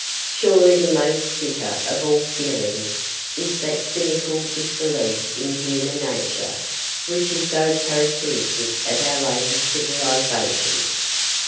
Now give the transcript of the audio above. Surely the most bitter of all feelings is that cynical disbelief in human nature which is so characteristic of our latest civilization.